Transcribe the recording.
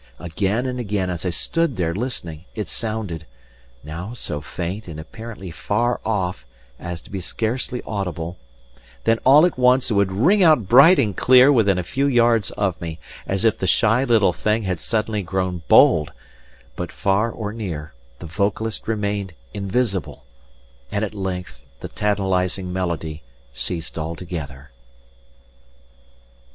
Again and again as I stood there listening it sounded, now so faint and apparently far off as to be scarcely audible; then all at once it would ring out bright and clear within a few yards of me, as if the shy little thing had suddenly grown bold; but, far or near, the vocalist remained invisible, and at length the tantalizing melody ceased altogether.